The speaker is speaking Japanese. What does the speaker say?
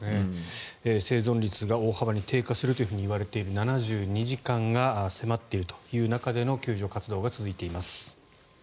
生存率が大幅に低下するといわれている７２時間が迫っているという中での救助活動が続いています。